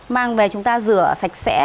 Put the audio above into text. mang về chúng ta rửa sạch sẽ